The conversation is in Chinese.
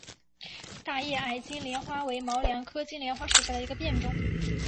大叶矮金莲花为毛茛科金莲花属下的一个变种。